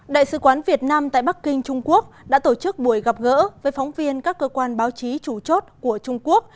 đại sứ quán việt nam tại bắc kinh trung quốc đã tổ chức buổi gặp gỡ với phóng viên các cơ quan báo chí chủ chốt của trung quốc